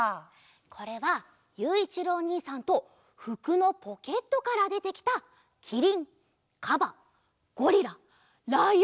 これはゆういちろうおにいさんとふくのポケットからでてきたキリンカバゴリラライオンだよ！